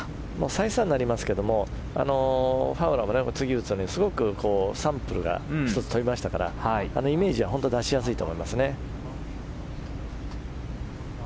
再三になりますがファウラー、次打つのにサンプルが１つ取れましたからイメージは出しやすいと思います。